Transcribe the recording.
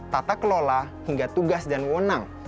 tata kelola hingga tugas dan wonang